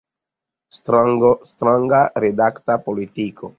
Stranga redakta politiko!